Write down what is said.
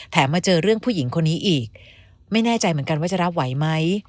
มาเจอเรื่องผู้หญิงคนนี้อีกไม่แน่ใจเหมือนกันว่าจะรับไหวไหม